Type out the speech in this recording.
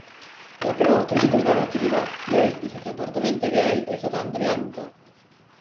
La prima autrice di narrativa lesbica che è apertamente gay è stata Andrea Luca.